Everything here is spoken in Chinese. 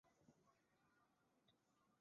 唐密秽迹金刚像上顶有释迦牟尼佛。